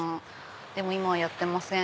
でも今はやってません。